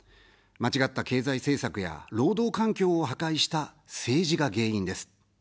間違った経済政策や労働環境を破壊した政治が原因です。